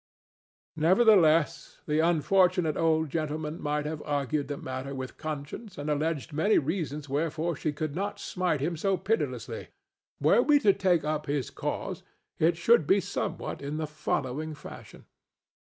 Nevertheless, the unfortunate old gentleman might have argued the matter with Conscience and alleged many reasons wherefore she should not smite him so pitilessly. Were we to take up his cause, it should be somewhat in the following fashion.